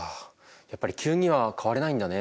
やっぱり急には変われないんだね。